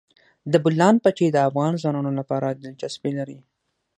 د بولان پټي د افغان ځوانانو لپاره دلچسپي لري.